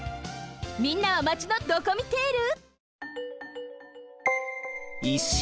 みんなはマチのドコミテール？